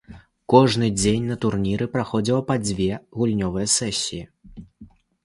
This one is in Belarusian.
Кожны дзень на турніры праходзіла па дзве гульнявыя сесіі.